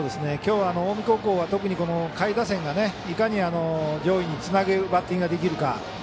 きょう、近江高校は特に下位打線がいかに上位につなげるバッティングができるか。